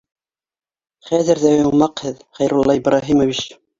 — Хәҙер ҙә йомаҡ һеҙ, Хәйрулла Ибраһимович